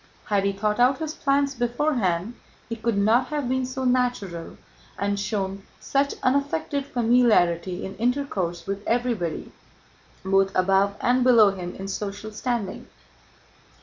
Had he thought out his plans beforehand he could not have been so natural and shown such unaffected familiarity in intercourse with everybody both above and below him in social standing.